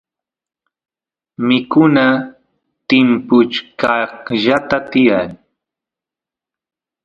mikuna timpuchkaqllata tiyan